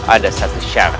ada satu syarat